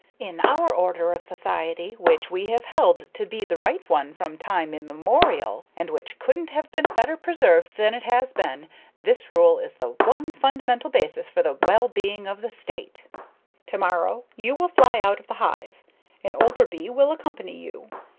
In our order of society, which we have held to be the right one from time immemorial and which couldn't have been better preserved than it has been, this rule is the one fundamental basis for the well being of the state. To morrow you will fly out of the hive, an older bee will accompany you.